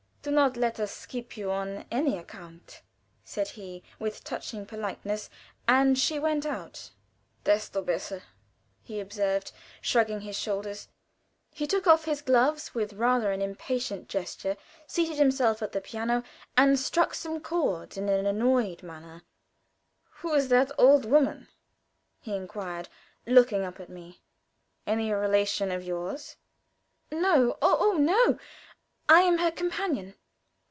"Do not let us keep you on any account," said he, with touching politeness; and she went out. "Desto besser!" he observed, shrugging his shoulders. He pulled off his gloves with rather an impatient gesture, seated himself at the piano, and struck some chords, in an annoyed manner. "Who is that old lady?" he inquired, looking up at me. "Any relation of yours?" "No oh, no! I am her companion."